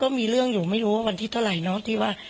ก็มีเรื่องอยู่ไม่รู้ว่าวันที่เท่าไหร่เนาะ